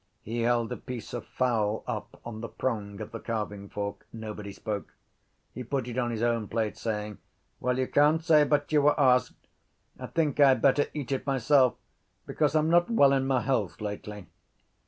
He held a piece of fowl up on the prong of the carvingfork. Nobody spoke. He put it on his own plate, saying: —Well, you can’t say but you were asked. I think I had better eat it myself because I’m not well in my health lately.